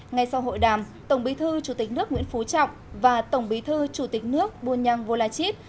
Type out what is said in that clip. ngay sau hội đàm tổng bí thư chủ tịch nước nguyễn phú trọng và tổng bí thư chủ tịch nước bunyang volachit